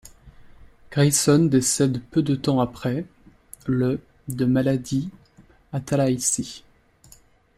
Grayson décède peu de temps après, le de maladie à Tallahassee.